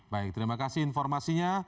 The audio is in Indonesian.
baik terima kasih informasinya